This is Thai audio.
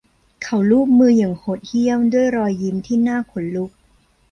เขาลูบมืออย่างโหดเหี้ยมด้วยรอยยิ้มที่น่าขนลุก